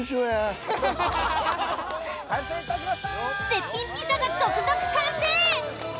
［絶品ピザが続々完成！］